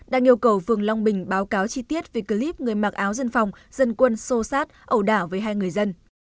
đang yêu cầu phường long bình báo cáo chi tiết về clip người mặc áo dân phòng dân quân sô sát ẩu đả với hai người dân